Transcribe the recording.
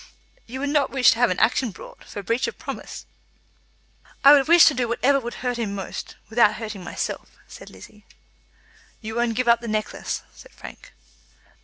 "You would not wish to have an action brought, for breach of promise?" "I would wish to do whatever would hurt him most, without hurting myself," said Lizzie. "You won't give up the necklace?" said Frank.